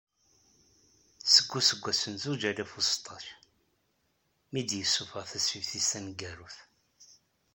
Seg useggas n zuǧ alaf u seṭṭac, mi d-yessufeɣ tasfift-is taneggarut.